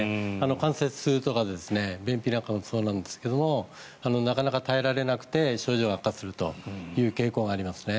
関節痛とか便秘なんかもそうなんですがなかなか耐えられなくて症状が悪化するという傾向があります。